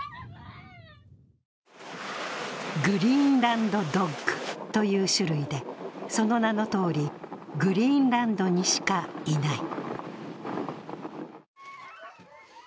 グリーンランド・ドッグという種類で、その名のとおり、グリーンランドにしかいない。